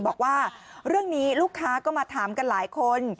บอกว่าเรื่องนี้ลูกค้าก็มาถามกันหลายคน